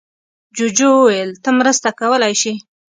جوجو وویل ته مرسته کولی شې.